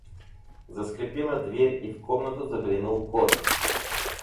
Заскрипела дверь, и в комнату заглянул кот.